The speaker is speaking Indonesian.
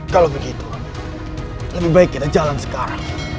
kalau begitu lebih baik kita jalan sekarang